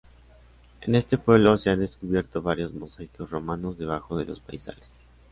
En este pueblo se han descubierto varios mosaicos romanos debajo de los maizales.